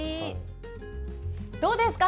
どうですか？